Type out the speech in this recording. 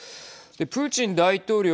プーチン大統領